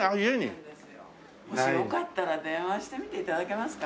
もしよかったら電話してみて頂けますか？